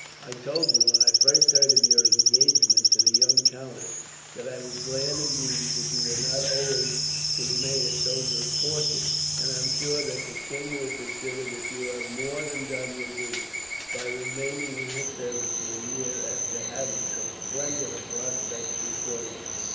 I told you, when I first heard of your engagement to the young countess, that I was glad indeed that you were not always to remain a soldier of fortune; and I am sure that the king will consider that you have more than done your duty, by remaining in his service for a year, after having so splendid a prospect before you.